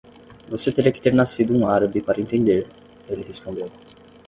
"Você teria que ter nascido um árabe para entender?" ele respondeu.